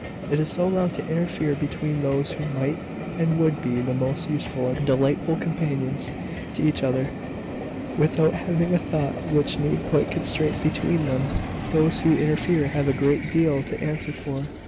It is so wrong to interfere between those who might and would be the most useful and delightful companions to each other, without having a thought which need put constraint between them! Those who so interfere have a great deal to answer for.